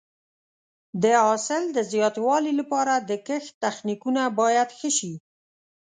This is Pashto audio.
د حاصل د زیاتوالي لپاره د کښت تخنیکونه باید ښه شي.